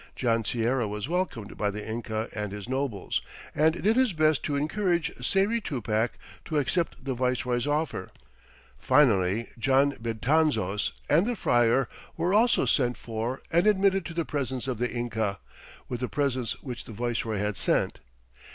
John Sierra was welcomed by the Inca and his nobles, and did his best to encourage Sayri Tupac to accept the viceroy's offer. Finally John Betanzos and the friar were also sent for and admitted to the presence of the Inca, with the presents which the viceroy had sent.